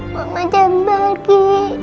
mama jangan pergi